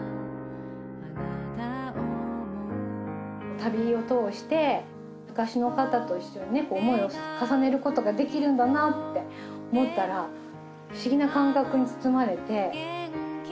旅を通して昔の方と一緒にね思いを重ねることができるんだなって思ったら不思議な感覚に包まれて。